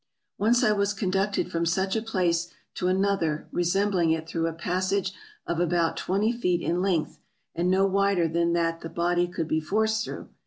Once I was conducted from such a place to another re sembling it through a passage of about twenty feet in length, and no wider than that the body could be forced through.